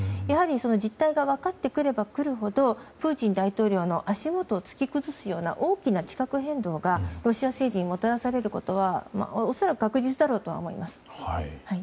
やはり、実態が分かってくればくるほどプーチン大統領の足元を突き崩すような大きな地殻変動がロシア政治にもたらされることは確実だろうと思います。